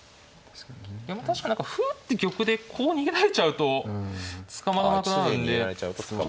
でも確かに何か歩打って玉でこう逃げられちゃうと捕まらなくなるんでちょっとあれですかね